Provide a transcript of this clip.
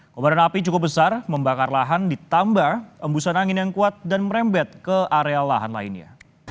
kobaran api cukup besar membakar lahan ditambah embusan angin yang kuat dan merembet ke area lahan lainnya